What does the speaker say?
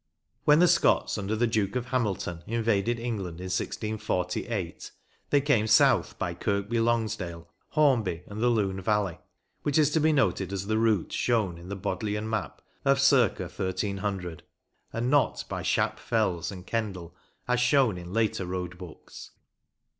When the Scots under the Duke of Hamilton invaded England in 1648, they came south by Kirkby Lonsdale, Hornby, and the Lune Valley, which is to be noted as the route shown in the Bodleian map of c. 1300, and not by Shap Fells and Kendal, as shown in later road books.